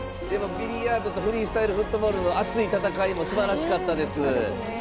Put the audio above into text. でもビリヤードとフリースタイルフットボールの熱い戦いも、すばらしかったです。